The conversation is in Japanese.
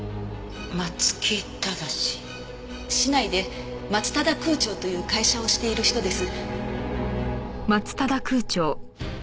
市内でマツタダ空調という会社をしている人です。